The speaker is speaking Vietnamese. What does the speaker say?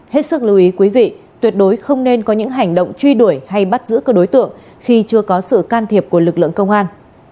hết sức lưu ý quý vị tuyệt đối không nên có những hành động truy đuổi hay bắt giữ cơ đối tượng khi chưa có sự can thiệp của lực lượng công an